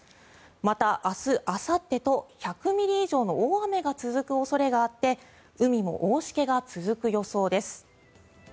また、明日あさってと１００ミリ以上の大雨が続く恐れがあって海も大しけが続く予想です。